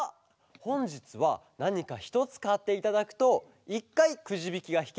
ほんじつはなにか１つかっていただくと１かいくじびきがひけます。